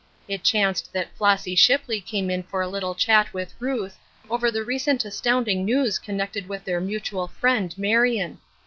It chanced that Flossy Shipley came in for a little chat with Ruth, over the recent astounding news connected with their mutual friend, Marion.